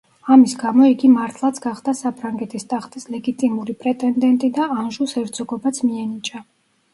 ამის გამო, იგი მართლაც გახდა საფრანგეთის ტახტის ლეგიტიმური პრეტენდენტი და ანჟუს ჰერცოგობაც მიენიჭა.